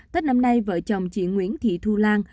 tết năm nay vợ chồng chị nguyễn thị thu lan